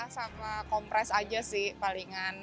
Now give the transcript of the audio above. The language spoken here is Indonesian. sama kompres aja sih palingan